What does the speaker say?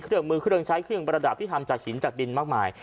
เครื่องมือเครื่องใช้เครื่องประดับที่ทำจากหินจากดินมากมาย